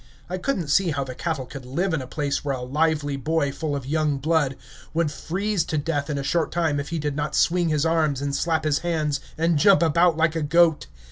I could n't see how the cattle could live in a place where a lively boy, full of young blood, would freeze to death in a short time if he did not swing his arms and slap his hands, and jump about like a goat.